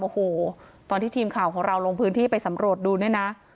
โอ้โหตอนที่ทีมข่าวของเราลงพื้นที่ไปสำรวจดูเนี่ยนะ